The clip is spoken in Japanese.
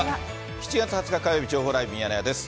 ７月２０日火曜日、情報ライブミヤネ屋です。